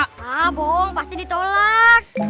nah bohong pasti ditolak